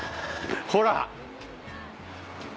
ほら！